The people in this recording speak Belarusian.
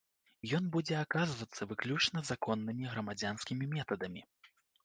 Ён будзе аказвацца выключна законнымі грамадзянскімі метадамі.